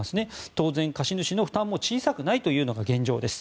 当然、貸主の負担も小さくないというのが現状です。